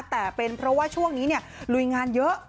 แต่เป็นเพราะว่าช่วงนี้ลุยงานเยอะ